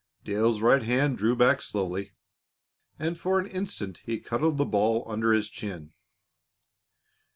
Dale's right hand drew back slowly, and for an instant he cuddled the ball under his chin.